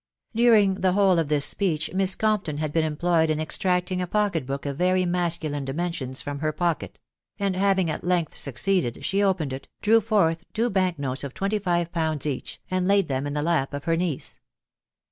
During the whole of this speech Miss Compton had been employed in extracting a pocket book of very masculine di mensions from her pocket ; and having at length succeeded, she opened it, drew forth two bank notes of twenty five pounds each, and laid them in the lap of her niece.